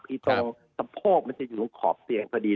คือตรงสะโพกมันจะอยู่ตรงขอบเตียงพอดี